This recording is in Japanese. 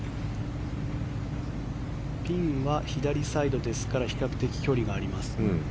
ピンは左サイドですから比較的距離があります。